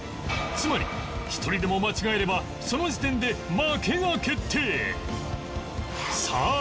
つまり１人でも間違えればその時点で負けが決定